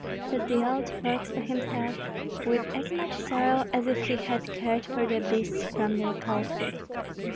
said the old fox to himself, with as much sorrow as if he had cared for the beasts from their colthood.